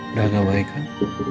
udah agak baik kan